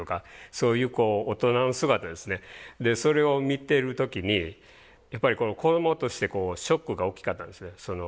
そういうこう大人の姿ですねそれを見てる時にやっぱり子どもとしてショックが大きかったんですね。